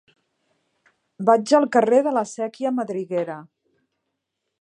Vaig al carrer de la Sèquia Madriguera.